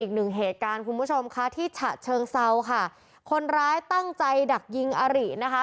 อีกหนึ่งเหตุการณ์คุณผู้ชมค่ะที่ฉะเชิงเซาค่ะคนร้ายตั้งใจดักยิงอารินะคะ